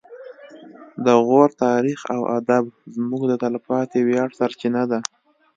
د غور تاریخ او ادب زموږ د تلپاتې ویاړ سرچینه ده